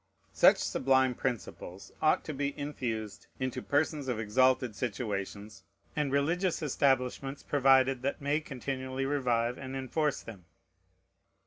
Such sublime principles ought to be infused into persons of exalted situations, and religious establishments provided that may continually revive and enforce them.